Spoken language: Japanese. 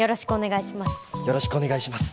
よろしくお願いします